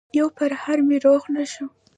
يو پرهر مې روغ نه شو